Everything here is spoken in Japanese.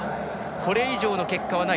これ以上の結果はない。